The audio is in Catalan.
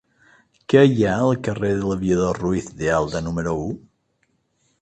Què hi ha al carrer de l'Aviador Ruiz de Alda número u?